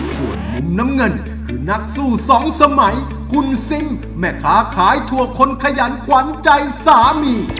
ส่วนมุมน้ำเงินคือนักสู้สองสมัยคุณซิมแม่ค้าขายถั่วคนขยันขวัญใจสามี